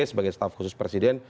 sebagai staff khusus presiden